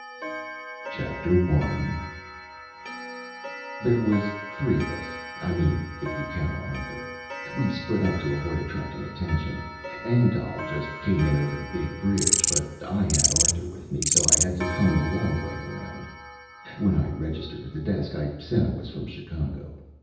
_ I There was three of us I mean if you count Arthur. We split up to avoid attracting attention. Engdahl just came in over the big bridge, but I had Arthur with me so I had to come the long way around. When I registered at the desk, I said I was from Chicago.